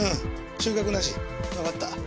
収穫なしわかった。